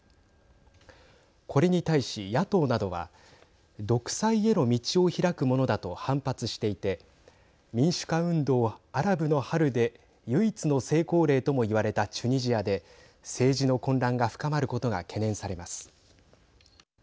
これに対し、野党などは独裁への道を開くものだと反発していて民主化運動、アラブの春で唯一の成功例ともいわれたチュニジアで政治の混乱が深まることが懸念されます。